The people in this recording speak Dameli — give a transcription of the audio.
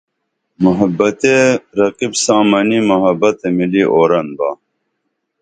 محبت تے رقیب ساں منی محبت مِلی اورن با